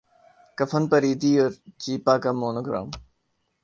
کفن پر ایدھی اور چھیپا کا مونو گرام